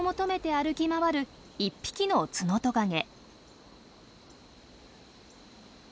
歩き回る１匹のツノトカゲ。